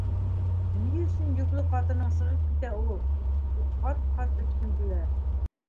«Ни өсөн йөклө ҡатының сығып китә ул?» - тип ҡат-ҡат төпсөндөләр.